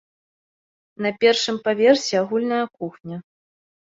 На першым паверсе агульная кухня.